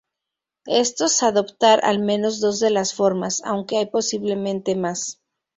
Estos adoptar al menos dos de los formas, aunque hay posiblemente más.